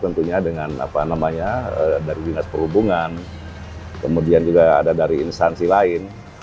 tentunya dengan apa namanya dari dinas perhubungan kemudian juga ada dari instansi lain